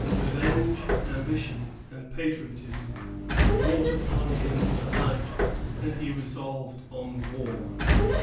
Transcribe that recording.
Revenge, ambition, and patriotism wrought upon him alike, and he resolved on war.